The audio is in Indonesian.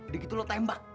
begitu lo tembak